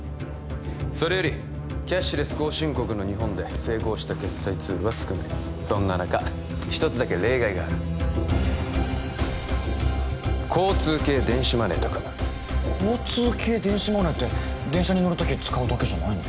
それよりキャッシュレス後進国の日本で成功した決済ツールは少ないそんな中一つだけ例外がある交通系電子マネーと組む交通系電子マネーって電車に乗る時使うだけじゃないの？